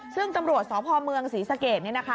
ซึ่งตำรวจสอบภอมเมืองศรีสเกตนี่นะคะ